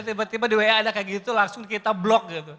tiba tiba di wa ada kayak gitu langsung kita block gitu